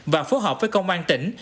và phối hợp với công an tỉnh